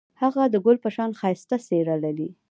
هغه د ګل په شان ښایسته څېره لري.